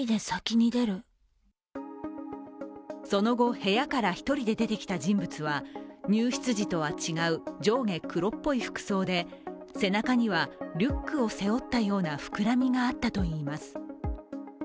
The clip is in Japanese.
その後、部屋から１人で出てきた人物は、入室時とは違う上下黒っぽい服装で背中にはリュックを背負ったような膨らみがあったといいます。